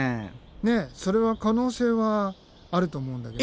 ねえそれは可能性はあると思うんだけど。